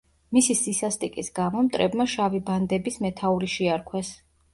მისი სისასტიკის გამო, მტრებმა შავი ბანდების მეთაური შეარქვეს.